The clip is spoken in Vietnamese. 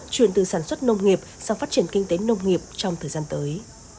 chuyển từ sản xuất nông nghiệp sang phát triển kinh tế nông nghiệp trong thời gian tới